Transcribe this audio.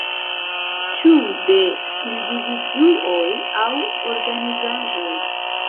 Ĉu de individuoj aŭ organizaĵoj?